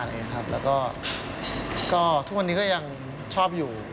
แล้วก็ทุกวันนี้ก็ยังชอบอยู่